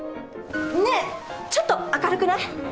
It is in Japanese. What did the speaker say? ねっちょっと明るくない？